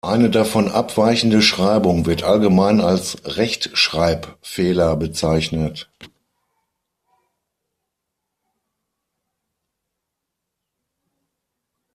Eine davon abweichende Schreibung wird allgemein als Rechtschreibfehler bezeichnet.